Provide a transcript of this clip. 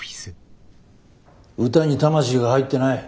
歌に魂が入ってない。